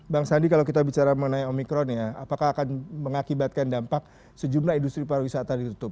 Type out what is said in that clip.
bang sandi kalau kita bicara mengenai omikron ya apakah akan mengakibatkan dampak sejumlah industri pariwisata ditutup